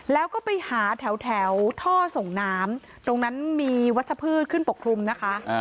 แล้วก็ไปหาแถวท่อส่งน้ำตรงนั้นมีวัชพืชขึ้นปกคลุมนะคะ